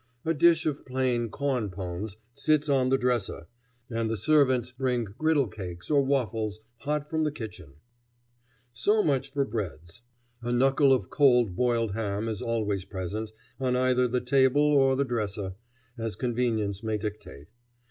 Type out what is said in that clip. A dish of plain corn "pones" sits on the dresser, and the servants bring griddle cakes or waffles hot from the kitchen; so much for breads. A knuckle of cold, boiled ham is always present, on either the table or the dresser, as convenience may dictate.